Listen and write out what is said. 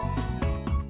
và chạy hiện